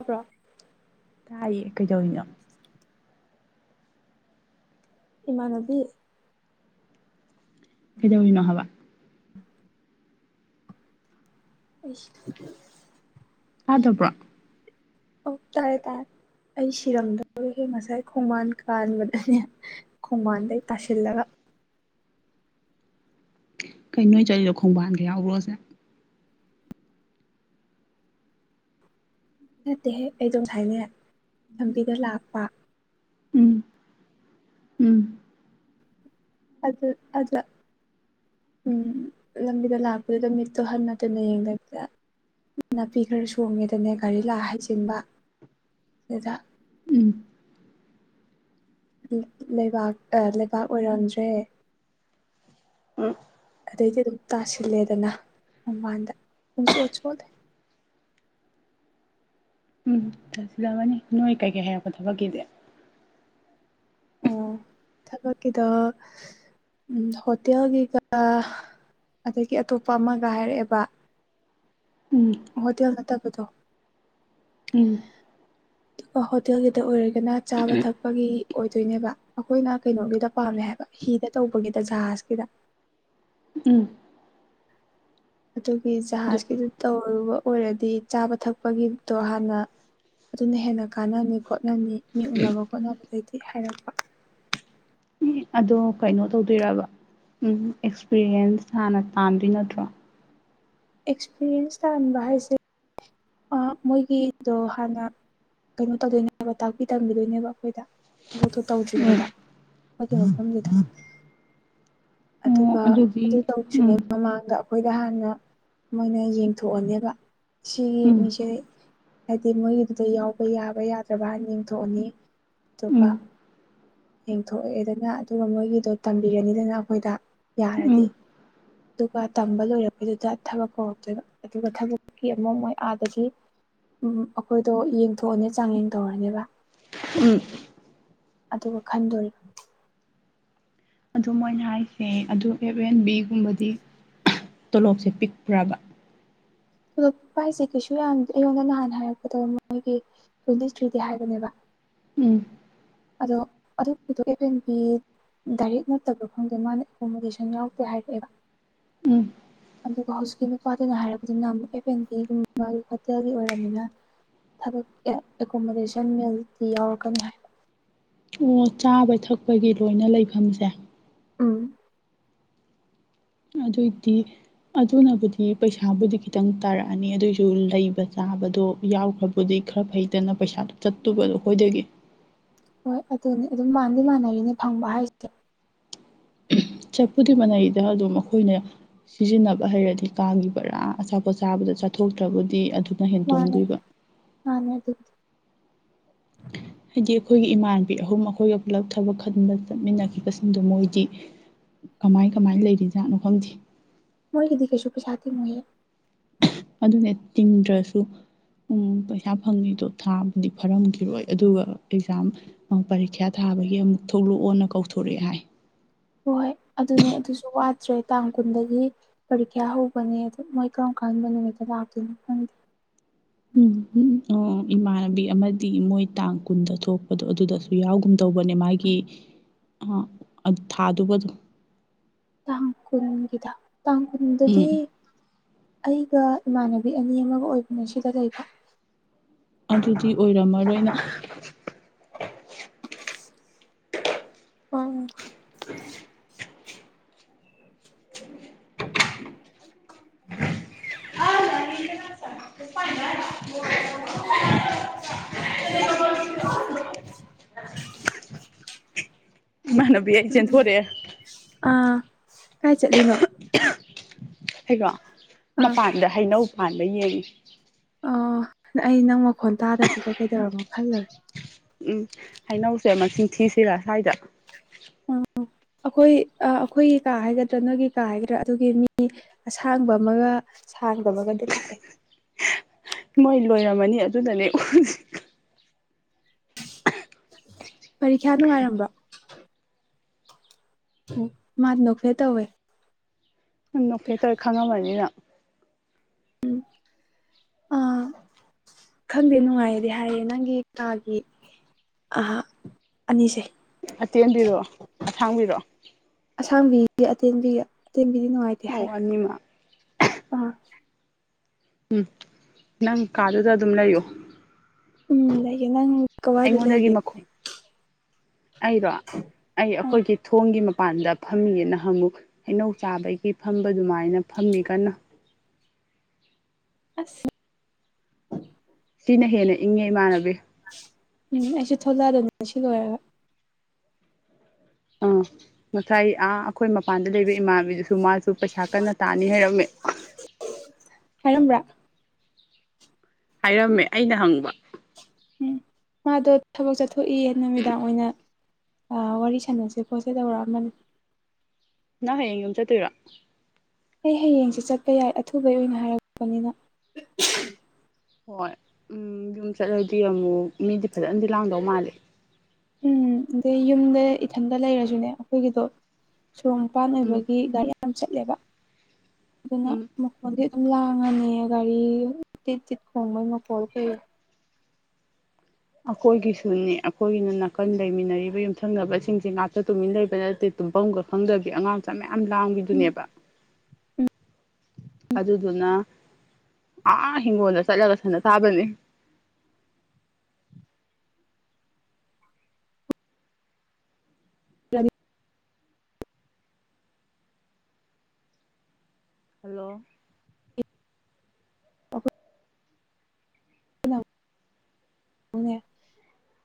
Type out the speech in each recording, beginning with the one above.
ꯇꯥꯕ꯭ꯔꯣ ꯇꯥꯏ ꯀ ꯆꯣꯅꯣ ꯏꯃꯥ ꯅꯕꯤ ꯀꯗꯧꯅꯍꯕ ꯏꯁ ꯑꯗꯕ꯭ꯔꯥ ꯑꯣ ꯇꯥꯔꯦ ꯇꯥꯏ ꯑꯩ ꯁꯤꯔꯝꯗꯧ ꯍꯦ ꯉꯁꯥꯏ ꯈꯣꯡꯕꯥꯟ ꯀꯥꯟꯕꯗꯅꯦ ꯈꯣꯡꯕꯥꯟꯗꯩ ꯇꯥꯁꯤꯜꯂꯒ ꯀꯩꯅꯣꯏ ꯆꯠꯂꯤꯗꯣ ꯈꯣꯡꯕꯥꯟꯗ ꯌꯥꯎꯔꯣꯁꯦ ꯅꯠꯇꯦꯍꯦꯛ ꯑꯩꯗꯣꯝ ꯍꯥꯏꯥꯏꯅ ꯂꯝꯕꯤꯗ ꯂꯥꯛꯄ ꯎꯝ ꯎꯝ ꯑꯗꯨꯗ ꯑꯗꯨꯗ ꯎꯝ ꯂꯝꯕꯤꯗ ꯂꯥꯛꯄꯗꯨꯗ ꯃꯤꯠꯇꯨ ꯍꯟꯅ ꯇꯟꯅ ꯌꯦꯡꯗꯕꯤꯗ ꯅꯥꯄꯤ ꯈꯔ ꯁꯣꯡꯉꯦꯗꯅꯦ ꯒꯥꯔꯤ ꯂꯥꯛ ꯍꯩꯖꯤꯟꯕ ꯆꯗꯥꯛ ꯎꯝ ꯂꯩꯕꯥꯛ ꯂꯩꯕꯥꯛ ꯑꯣꯏꯔꯝꯗ꯭ꯔꯦ ꯎꯝ ꯑꯗꯩꯗꯤ ꯑꯗꯨꯝ ꯇꯥꯁꯤꯜꯂꯦꯗꯅ ꯃꯃꯥꯟꯗ ꯄꯨꯡꯁꯨꯠꯆ ꯑꯣꯂꯦ [unintelligible] ꯆꯠꯁꯤꯜꯂꯑꯅꯤ ꯅꯣꯏ ꯀꯩꯀꯩ ꯍꯥꯏꯔꯛꯄ ꯊꯕꯛꯀꯤꯁꯦ ꯑꯣ ꯊꯕ ꯀꯗ ꯎ ꯍꯣꯇꯦꯜꯒꯤꯒ ꯑꯗꯒꯤ ꯑꯇꯣꯞꯄ ꯑꯃꯒ ꯍꯥꯏꯔꯛꯑꯦꯕ ꯎꯝ ꯍꯣꯇꯦꯜ ꯅꯠꯇꯕꯗꯣ ꯎꯝ ꯑꯗꯨꯒ ꯍꯣꯇꯦꯜꯒꯤꯗ ꯑꯣꯏꯔꯒꯅ ꯆꯥꯕ ꯊꯛꯄꯒꯤ ꯑꯣꯏꯗꯣꯏꯅꯦꯕ ꯑꯩꯈꯣꯏꯅ ꯀꯩꯅꯣꯒꯤꯗ ꯄꯥꯝꯃꯦ ꯍꯥꯏꯕ ꯍꯤꯗ ꯇꯧꯕꯒꯤꯗ ꯖꯍꯥꯖꯀꯤꯗ ꯎꯝ ꯑꯗꯨꯒꯤ ꯑꯗꯨ ꯖꯍꯥꯖꯒꯤꯗꯨ ꯇꯧꯔꯨꯕ ꯑꯣꯏꯔꯗꯤ ꯆꯥꯕ ꯊꯛꯄꯒꯤꯗꯣ ꯍꯥꯟꯅ ꯑꯗꯨꯅ ꯍꯦꯟꯅ ꯀꯥꯟꯅꯅꯤ ꯈꯣꯠꯅꯅꯤ ꯃꯤ ꯎꯅꯕ ꯈꯣꯠꯅꯕꯗꯗꯒꯤꯗꯤ ꯍꯥꯏꯔꯛꯄ ꯎ ꯑꯗꯣ ꯀꯩꯅꯣ ꯇꯧꯗꯣꯏꯕ ꯎꯝ ꯑꯦꯛꯁꯄꯤꯔꯤꯌꯦꯟꯁ ꯍꯥꯟꯅ ꯇꯥꯗꯣꯏ ꯅꯠꯇ꯭ꯔꯣ ꯑꯦꯛꯁꯄꯤꯔꯤꯌꯦꯟꯁ ꯇꯥꯟꯕ ꯍꯥꯏꯁꯦ ꯃꯣꯏꯒꯤꯗꯣ ꯍꯥꯟꯅ ꯀꯩꯅꯣ ꯇꯧꯗꯣꯏꯅꯦꯕ ꯇꯥꯛꯄꯤ ꯇꯝꯕꯤꯗꯣꯏꯅꯦꯕ ꯑꯩꯈꯣꯏꯗ ꯑꯗꯨ ꯎꯝ ꯇꯧꯗ꯭ꯔꯤꯉꯩꯗ ꯃꯒꯤ ꯃꯐꯝꯗꯨꯗ ꯑꯣ ꯑꯗꯨꯒ ꯑꯗꯨꯗꯤ ꯑꯗꯨ ꯎꯝ ꯇꯧꯗ꯭ꯔꯤꯉꯩ ꯃꯃꯥꯡꯗ ꯑꯩꯈꯣꯏꯗ ꯍꯥꯟꯅ ꯃꯣꯏꯅ ꯌꯦꯡꯊꯣꯛꯑꯅꯦꯕ ꯁꯤꯒꯤ ꯎꯝ ꯃꯤꯁꯦ ꯍꯥꯏꯗꯤ ꯃꯣꯏꯒꯤꯗꯨꯗ ꯌꯥꯎꯕ ꯌꯥꯕ ꯌꯥꯗ꯭ꯔꯕ ꯍꯥꯏꯅ ꯌꯦꯊꯣꯛꯑꯅꯤ ꯆꯄ ꯎꯝ ꯌꯦꯡꯊꯣꯛꯑꯦꯗꯅ ꯑꯗꯨꯒ ꯃꯣꯏꯒꯤꯗꯣ ꯇꯝꯕꯤꯔꯅꯤꯗꯅ ꯑꯩꯈꯣꯏꯗ ꯌꯥꯔꯗꯤ ꯎꯝ ꯑꯗꯨꯒ ꯇꯝꯕ ꯂꯣꯏꯔꯛꯄꯩꯗꯨꯗ ꯊꯕꯛ ꯀꯧꯔꯛꯇꯣꯏꯕ ꯑꯗꯨꯒ ꯊꯕꯛꯀꯤ ꯑꯃꯨꯛ ꯃꯣꯏ ꯑꯗꯒꯤ ꯎ ꯑꯩꯈꯣꯏꯗꯣ ꯌꯦꯡꯊꯣꯛꯑꯅꯤ ꯆꯥꯡꯌꯦꯡ ꯇꯧꯔꯅꯦꯕ ꯎꯝ ꯑꯗꯨꯒ ꯈꯟꯗꯣꯔꯤꯕ ꯑꯗꯨ ꯃꯣꯏꯅ ꯍꯥꯏꯁꯦ ꯑꯗꯨ ꯑꯦꯐ ꯑꯦꯟ ꯕꯤꯒꯨꯝꯕꯗꯤ ꯇꯣꯂꯣꯞꯁꯦ ꯄꯤꯛꯄ꯭ꯔꯕ ꯊꯣꯛꯂꯛꯄ ꯍꯥꯏꯁꯦ ꯀꯩꯁꯨ ꯌꯥꯝꯦ ꯑꯩꯉꯣꯟꯗ ꯅꯍꯥꯟ ꯍꯥꯏꯔꯛꯄꯗ ꯃꯣꯏꯒꯤ ꯇ꯭ꯋꯦꯟꯇꯤ ꯊ꯭ꯔꯤꯗꯤ ꯍꯥꯏꯕꯅꯦꯕ ꯎꯝ ꯑꯗꯣ ꯑꯗꯨꯦꯟ ꯗꯥꯏꯔꯦꯛ ꯅꯠꯇꯕ ꯈꯪꯗꯦ ꯃꯥꯅ ꯑꯦꯀꯣꯃꯣꯗꯦꯁꯟ ꯌꯥꯎꯗꯦ ꯍꯥꯏꯔꯛꯑꯦꯕ ꯎꯝ ꯑꯗꯨꯒ ꯍꯧꯖꯤꯛꯀꯤ ꯅꯨꯄꯥꯗ ꯉ ꯍꯥꯏꯔꯕ ꯁꯤꯅ ꯑꯃꯨꯛ ꯀꯦꯐꯦꯟꯒꯤꯒꯨꯝꯕ ꯍꯣꯇꯦꯜꯒꯤ ꯑꯣꯏꯔꯝꯃꯤꯅ ꯊꯕꯛ ꯑꯦꯀꯣꯃꯣꯗꯦꯁꯟ ꯃꯜꯗꯤ ꯌꯥꯎꯔꯛꯀꯅꯤ ꯍꯥꯏ ꯣ ꯆꯥꯕ ꯊꯛꯄꯒꯤ ꯂꯣꯏꯅ ꯂꯩꯐꯝꯁꯦ ꯎꯝ ꯑꯗꯨ ꯑꯣꯏꯗꯤ ꯑꯗꯨꯅꯕꯨꯗꯤ ꯄꯩꯁꯥꯕꯨꯗꯤ ꯈꯤꯇꯪ ꯇꯥꯔꯛꯑꯅꯤ ꯑꯗꯨꯑꯣꯏꯁꯨ ꯂꯩꯕ ꯆꯥꯕꯗꯣ ꯌꯥꯎꯈ꯭ꯔꯕꯨꯗꯤ ꯈꯔ ꯐꯩꯇꯅ ꯄꯩꯁꯥꯗꯨꯣ ꯆꯠꯇꯨꯕꯗꯣ ꯑꯩꯈꯣꯏꯗꯒꯤ ꯍꯣꯏ ꯑꯗꯨꯅꯤ ꯑꯗꯨꯝ ꯃꯥꯟꯗꯤ ꯃꯥꯟꯅꯔꯤꯅꯦ ꯐꯪꯕ ꯍꯥꯏꯁꯦ ꯆꯠꯄꯨꯗꯤ ꯃꯅꯥꯩꯗ ꯑꯗꯨꯝ ꯑꯩꯈꯣꯏꯅ ꯁꯤꯖꯤꯟꯅꯕ ꯍꯩꯔꯗꯤ ꯀꯥꯒꯤꯈꯤꯕꯔꯥ ꯑꯆꯥꯄꯣꯠ ꯆꯥꯕꯗ ꯆꯥꯊꯣꯛꯇ꯭ꯔꯕꯨꯗꯤ ꯑꯗꯨꯅ ꯍꯦꯟ ꯃꯥꯅꯦ ꯇꯣꯡꯗꯣꯏꯕ ꯃꯥꯅꯦ ꯑꯗꯨꯗꯤ [inaudible] ꯍꯥꯏꯗꯤ ꯑꯩꯈꯣꯏꯒꯤ ꯏꯃꯥꯟꯅꯕꯤ ꯑꯍꯨꯝ ꯑꯩꯈꯣꯏꯒ ꯄꯨꯂꯞ ꯊꯕꯛ ꯈꯟꯕ ꯆꯠꯃꯤꯟꯅꯈꯤꯕꯁꯤꯡꯗꯣ ꯃꯣꯏꯗꯤ ꯀꯃꯥꯏ ꯀꯃꯥꯏꯅ ꯂꯩꯔꯤ ꯖꯥꯠꯅꯣ ꯈꯪꯗꯦ ꯃꯣꯏꯒꯤꯗꯤꯀ ꯆꯨꯄꯦꯁꯗꯦ ꯃꯍꯤ ꯠꯇꯗ꯭ꯔꯁꯨꯁꯨ ꯎꯝ ꯄꯩꯁꯥ ꯐꯪꯉꯤꯗꯣ ꯊꯥꯕꯨꯗꯤ ꯐꯔꯝꯈꯤꯔꯣꯏ ꯑꯗꯨꯒ ꯑꯦꯛꯖꯥꯝ ꯄꯔꯤꯈ꯭ꯌꯥ ꯊꯥ ꯑꯥꯕꯒꯤ ꯑꯃꯨꯛ ꯊꯣꯛꯂꯛꯑꯣꯅ ꯀꯧꯊꯣꯔꯛꯑꯦ ꯍꯥꯏ ꯍꯣꯏ ꯍꯣꯏ ꯑꯗꯨꯅꯦ ꯑꯗꯨꯁꯨ ꯋꯥꯠꯇ꯭ꯔꯦ ꯇꯥꯡ ꯀꯨꯟꯗꯒꯤ ꯄꯔꯤꯈ꯭ꯌꯥ ꯍꯧꯕꯅꯦ ꯑꯗꯨ ꯃꯣꯏ ꯀꯔꯝ ꯗꯨꯀꯥꯟ ꯃꯅꯤꯗ ꯂꯥꯛꯇꯅ ꯎꯝꯝ ꯑꯣ ꯏꯃꯥꯟꯅꯕꯤ ꯑꯃꯗꯤ ꯃꯣꯏ ꯇꯥꯡ ꯀꯨꯟꯗ ꯊꯣꯛꯄꯗꯣ ꯑꯗꯨꯗꯁꯨ ꯌꯥꯎꯒꯨꯝꯗꯧꯕꯅꯦ ꯃꯥꯒꯤ ꯑ ꯑꯗꯨ ꯊꯥꯗꯨꯕ ꯑꯗꯨ ꯇꯥꯡ ꯀꯨꯟꯒꯤꯗ ꯇꯥꯡ ꯀꯨꯟꯗꯗꯤ ꯎꯝ ꯑꯩꯒ ꯏꯃꯥꯟꯅꯕꯤ ꯑꯅꯤ ꯑꯃꯒ ꯑꯣꯏꯕꯅꯦ ꯁꯤꯗ ꯂꯩꯕ ꯑꯗꯨꯗꯤ ꯑꯣꯏꯔꯝꯃꯔꯣꯏꯅ ꯑꯣ [unintelligible] [unintelligible] [unintelligible] ꯃꯥꯅꯕꯤ ꯑ ꯆꯦ ꯊꯔꯦ ꯑꯥ ꯀꯥꯏ ꯆꯠꯂꯤꯅꯣ ꯍꯩꯀꯣ ꯑꯥ ꯃꯄꯥꯟꯗ ꯍꯩꯅꯧ ꯄꯥꯟꯕ ꯌꯦꯡꯉꯤ ꯑ ꯑꯩ ꯅꯪ ꯃꯈꯣꯟ ꯇꯥꯗꯕꯤꯗ ꯀꯩꯗꯧꯔꯝꯅꯣ ꯈꯜꯂꯨꯔꯦ ꯎꯝ ꯍꯩꯅꯧꯁꯦ ꯑꯃ ꯊꯤꯁꯤꯔ ꯁ꯭ꯋꯥꯏꯗ ꯎꯝ ꯑꯩꯈꯣꯏ ꯑꯩꯈꯣꯏꯒꯤ ꯀꯥ ꯍꯥꯏꯒꯗ꯭ꯔꯥ ꯅꯣꯏꯒꯤ ꯀꯥ ꯍꯥꯏꯒꯗ꯭ꯔꯥ ꯑꯗꯨꯒꯤ ꯃꯤ ꯑꯁꯥꯡꯕ ꯑꯃꯒ ꯊꯥꯡꯗꯕꯒꯗꯤ ꯂꯥꯛꯑꯦ [unintelligible] ꯃꯣꯏ ꯂꯣꯏꯔꯝꯃꯅꯤ ꯑꯗꯨꯅꯅꯦ ꯎ ꯄꯔꯤꯈ꯭ꯌꯥ ꯅꯨꯡꯉꯥꯏꯔꯝꯕ ꯃꯥ ꯅꯈꯦ ꯇꯧꯋꯦ ꯅꯣꯛ ꯐꯦꯇꯔ ꯈꯪꯉꯝꯃꯅꯤꯅ ꯎꯝ ꯑ ꯈꯪꯗꯦ ꯅꯨꯡꯉꯥꯏꯗꯤ ꯍꯥꯏꯌꯦ ꯅꯪꯒꯤ ꯀꯥꯒꯤ ꯑ ꯑꯅꯤꯁꯦ ꯑꯇꯦꯟꯕꯤꯔꯛꯑꯣ ꯑꯊꯥꯡꯕꯤꯔꯑꯣ ꯑꯁꯥꯡꯕꯤꯒꯤ ꯑꯇꯦꯟꯕꯤ ꯑꯇꯦꯟꯕꯤꯗꯤ ꯅꯨꯡꯉꯥꯏꯇꯦ ꯑꯣ ꯍꯥꯏ ꯑꯅꯤꯃꯛ ꯑꯥ ꯎꯝ ꯅꯪ ꯀꯗꯗ ꯑꯗꯨ ꯑꯗꯨꯝꯂꯣ ꯎꯝꯦ ꯅꯪ ꯀꯋꯥꯏꯗ ꯑꯩꯉꯣꯟꯗꯒꯤ ꯂꯩꯒꯦ ꯃꯈꯨꯜ ꯑꯩꯗꯣ ꯑꯩ ꯑꯥ ꯑꯩꯈꯣꯏꯒꯤ ꯊꯣꯡꯒꯤ ꯃꯄꯥꯟꯗ ꯐꯝꯃꯤꯅ ꯑꯃꯨꯛ ꯍꯩꯅꯧ ꯆꯥꯕꯒꯤ ꯐꯝꯕ ꯑꯗꯨꯃꯥꯏꯅ ꯐꯝꯃꯤ ꯀꯟꯅ ꯑꯁ ꯁꯤꯅ ꯍꯦꯟꯅ ꯏꯪꯉꯦ ꯏꯃꯥꯟꯅꯕꯤ ꯎꯝ ꯑꯩꯁꯨ ꯊꯣꯂꯛꯑꯗꯅꯤꯅ ꯁꯤ ꯂꯣꯏꯔꯒ ꯑꯥ ꯉꯁꯥꯏ ꯑꯥ ꯑꯩꯈꯣꯏ ꯃꯄꯥꯟꯗ ꯂꯩꯕ ꯏꯃꯥꯕꯤꯗꯨꯁꯨ ꯃꯥ ꯑꯗꯨ ꯄꯩꯁꯥ ꯀꯟꯅ ꯇꯥꯅꯤ ꯍꯥꯏꯔꯝꯃꯦ ꯍꯥꯏꯔꯝꯕ꯭ꯔꯥ ꯍꯥꯏꯔꯝꯃꯦ ꯑꯩꯅ ꯍꯪꯕ ꯎꯝ ꯃꯥꯗꯣ ꯊꯕꯛ ꯆꯠꯊꯣꯛꯏꯌꯦ ꯅꯨꯃꯤꯗꯥꯡ ꯑꯣꯏꯅ ꯋꯥꯔꯤ ꯁꯥꯟꯅꯁꯦ ꯄꯣꯠꯁꯦ ꯇꯧꯔꯛꯑꯝꯕꯅꯤ ꯅꯍ ꯍꯌꯦꯡ ꯌꯨꯝ ꯆꯠꯇꯣꯏꯔꯣ ꯑꯩ ꯍꯌꯦꯡꯁꯦ ꯆꯠꯄ ꯌꯥꯏ ꯑꯊꯨꯕꯩ ꯑꯣꯏꯅ ꯍꯥꯏꯔꯛꯄꯅꯤꯅ ꯍꯣꯏ ꯎꯝ ꯌꯨꯝ ꯆꯠꯂꯗꯤ ꯑꯃꯨꯛ ꯃꯤꯗꯤ ꯐꯖꯅꯗꯤ ꯂꯥꯡꯗꯧ ꯃꯥꯂꯦ ꯎꯝ ꯑꯗꯩ ꯌꯨꯝꯗ ꯏꯊꯟꯗ ꯂꯩꯔꯁꯨꯅꯦ ꯑꯩꯈꯣꯏꯒꯤꯗꯣ ꯁꯣꯔꯣꯡꯄꯥꯟ ꯎꯝ ꯑꯣꯏꯕꯒꯤ ꯒꯥꯔꯤ ꯌꯥꯝ ꯆꯠꯂꯦꯕ ꯑꯗꯨꯅ ꯎꯝ ꯃꯈꯣꯟꯗꯤ ꯁ ꯂꯥꯡꯉꯅꯤ ꯒꯥꯔꯤ ꯇꯤꯠ ꯇꯤꯠ ꯈꯣꯡꯕꯩ ꯃꯈꯀꯣꯜ ꯀꯩꯣ ꯑꯩꯈꯣꯏꯒꯤꯁꯨꯅꯤ ꯑꯩꯈꯣꯏꯒꯤꯅ ꯅꯥꯀꯟ ꯂꯩꯃꯤꯟꯅꯔꯤꯕ ꯌꯨꯝꯊꯪꯅꯕꯁꯤꯡꯁꯦ ꯉꯥꯛꯇ ꯇꯨꯃꯤꯟꯅ ꯂꯩꯕ ꯅꯠꯇꯦ ꯑꯗꯨꯝꯐꯝꯝꯒ ꯈꯪꯗꯕꯤ ꯑꯉꯥꯡ ꯃꯆꯥ ꯃꯌꯥꯝ ꯂꯥꯡꯕꯤꯗꯨꯅꯦꯕ ꯑꯗꯨꯗꯨꯅ ꯑꯥ ꯏꯤꯡꯒꯣꯜꯗ ꯆꯠꯂꯒ ꯁꯗ ꯊꯥꯕꯅꯤ [unintelligible] [inaudible] ꯍꯜꯂꯣ ꯑꯣꯣꯏ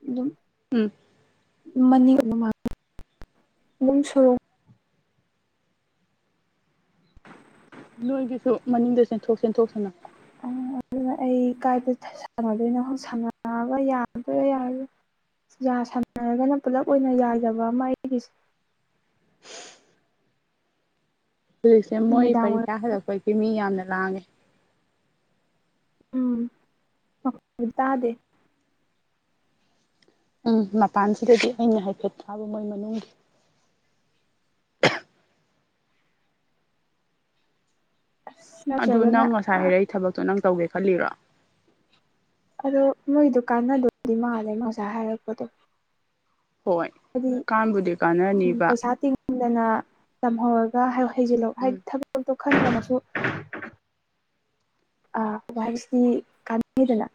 ꯑꯗꯨꯝ ꯎꯝ ꯃꯅꯤꯡ ꯄꯨꯡ ꯁꯣꯔꯣꯛ ꯅꯣꯏꯒꯤꯁꯨ ꯃꯅꯤꯡꯗ ꯆꯦꯟꯊꯣꯛ ꯆꯦꯟꯊꯣꯛꯁꯤꯅ ꯑꯗꯨꯅ ꯑꯩ ꯀꯥꯏꯗ ꯁꯥꯟꯅꯗꯣꯏꯅꯣꯣꯏ ꯁꯥꯟꯅꯕ ꯌꯥꯗꯣꯏꯔꯥ ꯌꯥꯔꯣꯏ ꯌꯥ ꯁꯝꯅꯔꯒꯅ ꯄꯨꯂꯞ ꯑꯣꯏꯅ ꯌꯥꯖꯕ ꯑꯃ ꯑꯩꯒꯤꯁꯦ ꯍꯧꯖꯤꯛꯁꯦ ꯃꯣꯏ ꯅꯨꯃꯤꯗꯥꯡ ꯄꯔꯤꯈꯥ ꯋꯥꯏꯔꯝ ꯍꯜꯂꯛꯄꯒꯤ ꯃꯤ ꯌꯥꯝꯅ ꯂꯥꯡꯉꯦ ꯎꯝ ꯇꯥꯗꯦ ꯎꯝ ꯃꯄꯥꯟꯁꯤꯗꯗꯤ ꯑꯩꯅ ꯍꯥꯏꯐꯦꯠ ꯊꯥꯕ ꯃꯣꯏ ꯃꯅꯨꯡꯒꯤ [unintelligible] ꯑꯁ ꯑꯗꯨ ꯅꯠꯇ꯭ꯔꯒꯅ ꯅꯪ ꯉꯁꯥꯏ ꯍꯥꯏꯔꯛ ꯑꯩ ꯊꯕꯛꯇꯣ ꯅꯪ ꯇꯧꯒꯦ ꯈꯜꯂꯤꯔꯣ ꯑꯗꯣ ꯃꯣꯏꯗꯨ ꯀꯥꯟꯅꯗꯕꯨꯗꯤ ꯃꯥꯜꯂꯦ ꯃꯁꯥ ꯍꯥꯏꯔꯛꯄꯗꯣ ꯍꯣꯏ ꯍꯥꯏꯗꯤ ꯀꯥꯟꯕꯨꯗꯤ ꯎ ꯀꯥꯟꯅꯅꯤꯕ ꯄꯩꯁꯥ ꯇꯤꯡꯗꯅ ꯇꯝꯍꯧꯔꯒ ꯍꯩꯖꯤꯜꯂꯣ ꯎꯝ ꯍꯥꯏꯗꯤ ꯊꯕꯛꯇꯣ ꯈꯟꯗꯃꯁꯨ ꯑ ꯍꯥꯏꯕꯁꯤꯗꯤ ꯀꯥꯟꯅꯈꯤꯗꯅ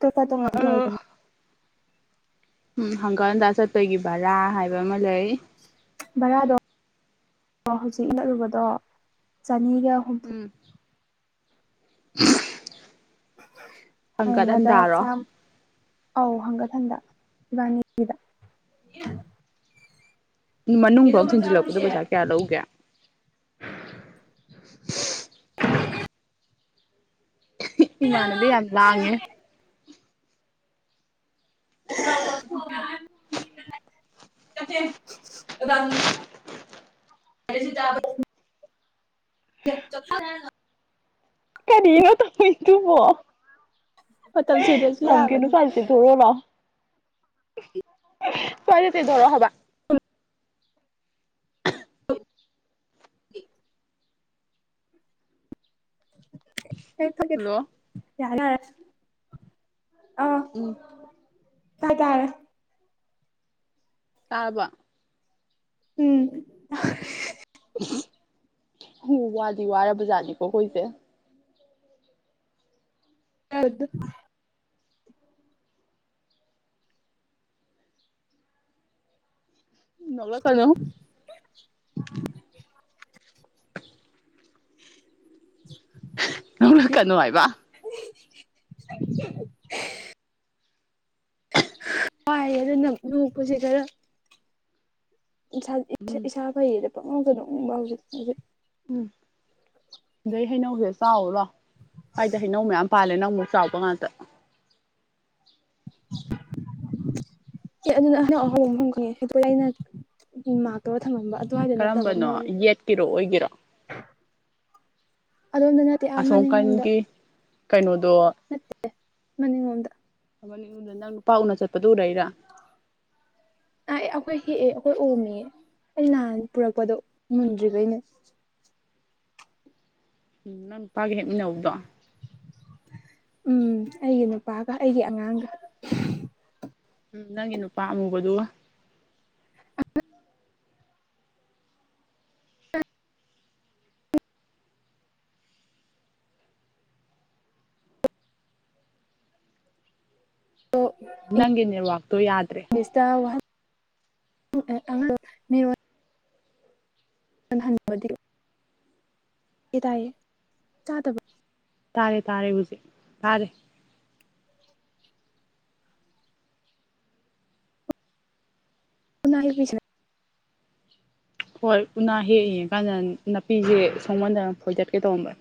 ꯀ ꯀ ꯇꯉ ꯌꯥꯏꯗꯅ ꯎꯝ ꯍꯪꯒꯥꯜꯝꯗ ꯆꯠꯄꯒꯤ ꯚꯔꯥ ꯍꯥꯏꯕ ꯑꯃ ꯂꯩ ꯚꯔꯥꯗꯣ ꯍꯧꯖꯤꯛ ꯏꯂꯛꯂꯨꯕꯗꯣ ꯆꯅꯤꯒ ꯍꯨꯝꯐꯨ ꯍꯪꯀꯠ ꯅꯣꯡꯃꯗ ꯍꯟꯇꯥꯔꯣ ꯆꯥꯝ ꯑꯧ ꯍꯪꯀꯠꯊꯟꯗ ꯏꯕꯥꯅꯤꯒꯤꯗ ꯃꯅꯨꯡ ꯐꯥꯎ ꯊꯤꯟꯖꯤꯜꯂꯛꯄꯗ ꯄꯩꯁꯥ ꯀꯌꯥ ꯂꯧꯒꯦ [unintelligible] ꯏꯃꯅꯦꯕꯤ ꯑ ꯂꯥꯡꯉ [inaudible] ꯀꯁꯤ ꯇꯕ꯭ꯔ [inaudible] ꯀꯔꯤꯉ ꯇꯣꯏ ꯊꯕ ꯃꯇꯝ ꯁꯨꯗ꯭ꯔꯁꯨ ꯊꯒꯅꯨ ꯌꯥꯕꯅꯦ ꯆꯜꯁꯤ ꯊꯔ ꯂ ꯇꯣꯏ ꯑꯗꯨꯗꯔꯣ ꯍꯕ [unintelligible] ꯍꯜꯂꯣ ꯀ ꯌꯥ ꯎꯝ ꯍ ꯇꯔꯦ ꯇꯥꯕ ꯎꯝ ꯍ ꯋꯥꯗꯤ ꯋꯥꯔꯕꯖꯥꯠꯗꯤꯀꯣꯈꯣꯏꯁꯦ ꯌꯦꯗ ꯧꯂ ꯀꯅꯣ ꯀꯩꯅꯣ ꯍꯥꯏꯕ [unintelligible] ꯍꯥꯏꯥꯏ ꯑꯗꯨꯗ ꯅꯣꯛꯄꯁꯦ ꯈꯔ ꯏꯁ ꯏꯁꯥ ꯐꯩꯗ ꯄꯪꯅꯧꯗꯅꯅꯤꯡꯕ ꯍꯧꯖꯤꯛ ꯍꯧꯖꯤꯛ ꯎꯝ ꯑꯗꯩ ꯍꯩꯅꯧꯁꯦ ꯆꯥꯎꯋꯔꯣ ꯍꯥꯏꯗꯤ ꯍꯩꯅꯧ ꯃꯌꯥꯝ ꯄꯥꯂꯅ ꯑꯃꯛ ꯆꯥꯎꯥꯎꯕ ꯉꯇ ꯑꯗꯨ ꯑꯍꯨꯝ ꯑꯍꯣꯡ ꯀꯅꯤꯦ ꯄꯨꯅ ꯃꯥꯛ ꯐꯪꯉꯝꯕ ꯑꯗꯨꯋꯥꯏꯗ ꯅꯠꯇꯕ ꯑꯃ ꯀꯔꯝꯕꯅꯣ ꯂꯩ ꯌꯦꯠꯀꯤꯔꯣ ꯑꯣꯏꯒꯤꯔꯣ ꯑꯗꯣꯝꯗ ꯅꯠꯇꯦ ꯑ ꯉꯣꯝꯗ ꯑꯁꯣꯝꯀꯟꯒꯤ ꯀꯩꯅꯣꯗꯣ ꯅꯠꯇꯦ ꯃꯅꯤꯡꯂꯣꯝꯗ ꯗ ꯅꯪ ꯅꯨꯄꯥ ꯎꯅ ꯆꯠꯄꯗꯨ ꯎꯔꯏꯔ ꯑ ꯑꯩꯈꯣꯏ ꯍꯦ ꯑꯩꯈꯣꯏ ꯑꯣꯃꯤ ꯑꯩ ꯂꯥꯟ ꯄꯨꯔꯛꯄꯗꯣ ꯃꯨꯟꯗ꯭ꯔꯤꯈꯩꯅꯦ ꯎꯝ ꯅꯪꯄꯥꯒꯦ ꯍꯦꯦꯛꯃꯤꯟꯅ ꯎꯕꯗꯣ ꯎꯝ ꯑꯩꯒꯤ ꯅꯨꯄꯥꯒ ꯑꯩꯒꯤ ꯑꯉꯥꯡꯒ ꯎꯝ ꯅꯪꯒꯤ ꯅꯨꯄꯥ ꯑꯃꯨꯕꯗꯨ ꯑꯗꯣ ꯅꯪꯦꯅꯤꯋꯥꯥꯛꯇꯣ ꯌꯥꯗ꯭ꯔꯦ [unintelligible] ꯗꯤ ꯇꯥꯏꯌꯦ ꯆꯥꯗꯕ ꯇꯥꯔꯦ ꯇꯥꯔꯦ ꯍꯧꯖꯤꯛ ꯇꯥꯔꯦ [unintelligible] ꯍꯣꯏ ꯎꯅꯥ ꯍꯦꯛꯏꯌꯦ ꯀꯟꯅ ꯅꯥꯄꯤꯁꯦ ꯁꯣꯡꯃꯟꯗꯅ ꯐꯣꯏ ꯗꯠꯀꯦ ꯇꯧꯔꯝꯕꯅꯦ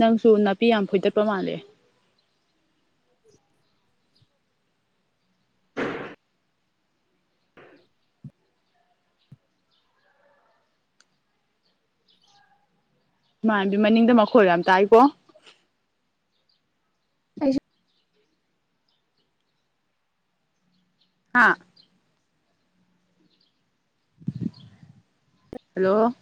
ꯅꯪꯁꯨ ꯅꯥꯄꯤ ꯌꯥꯝ ꯐꯣꯏꯗꯠꯄ ꯃꯥꯜꯂꯦ ꯃꯥꯥꯟꯕꯤ ꯃꯅꯤꯡꯗ ꯃꯈꯣꯜ ꯌꯥꯝ ꯇꯥꯏꯀꯣ ꯑꯩ ꯍꯥꯥ ꯍꯜꯂꯣ